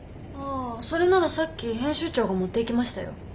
あそれならさっき編集長が持っていきましたよ。